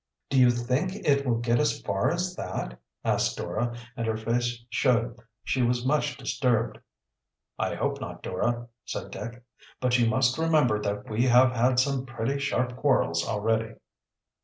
"Do you think it will get as far as that?" asked Dora, and her face showed she was much disturbed. "I hope not, Dora," said Dick. "But you must remember that we have had some pretty sharp quarrels already."